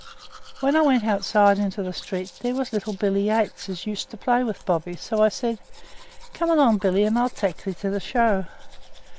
When I went outside into the street there was little Billy Yates, as used to play with Bobby, so I says, 'Come along, Billy, and I'll tek thee to the show.'